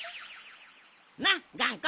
なっがんこ！